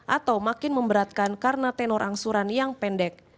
atau makin memberatkan karena tenor angsuran yang pendek